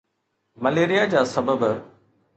malaria جا سبب